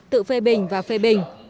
tự phê bình và phê bình